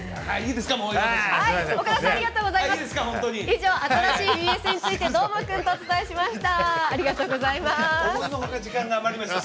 以上、新しいＢＳについてどーもくんとお伝えしました。